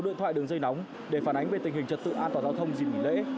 điện thoại đường dây nóng để phản ánh về tình hình trật tự an toàn giao thông dịp nghỉ lễ